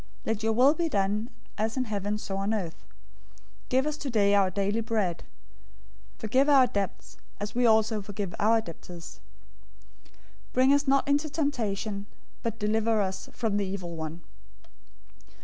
Let your will be done, as in heaven, so on earth. 006:011 Give us today our daily bread. 006:012 Forgive us our debts, as we also forgive our debtors. 006:013 Bring us not into temptation, but deliver us from the evil one.